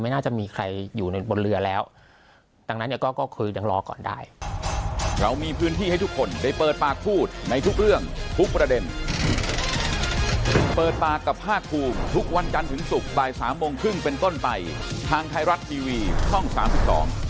น่าจะมีใครอยู่ในบนเรือแล้วดังนั้นเนี่ยก็คือยังรอก่อนได้